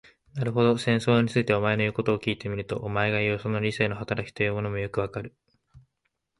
なるほど、戦争について、お前の言うことを聞いてみると、お前がいう、その理性の働きというものもよくわかる。